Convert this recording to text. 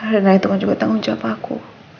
karena itu kan juga tanggung jawab aku